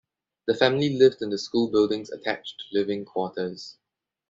The family lived in the school building's attached living quarters.